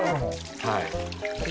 はい。